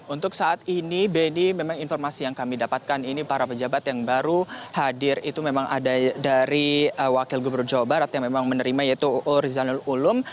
untuk saat ini benny memang informasi yang kami dapatkan ini para pejabat yang baru hadir itu memang ada dari wakil gubernur jawa barat yang memang menerima yaitu urzanul ulum